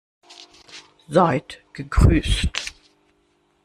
Seid gegrüßt!